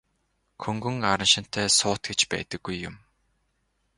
Хөнгөн араншинтай суут гэж байдаггүй юм.